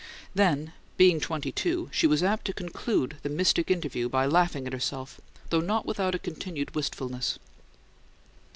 Then, being twenty two, she was apt to conclude the mystic interview by laughing at herself, though not without a continued wistfulness.